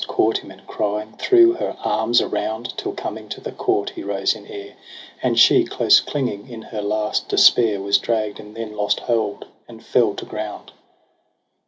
Caught him, and crying threw her arms around : Till coming to the court he rose in air j And she, close clinging in her last despair. Was dragg'd, and then lost hold and fell to ground.